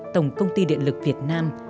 tổng công ty điện lực việt nam